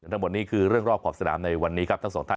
ทั้งหมดนี้คือเรื่องรอบขอบสนามในวันนี้ครับทั้งสองท่าน